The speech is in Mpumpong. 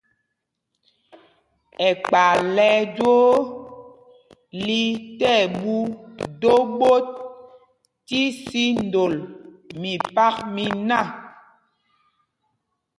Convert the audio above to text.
Ɛkpay lɛ ɛjwoo li tí ɛɓu do ɓot tí sī ndol mipak miná.